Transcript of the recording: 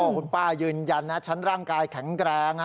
คุณป้ายืนยันนะฉันร่างกายแข็งแรงนะ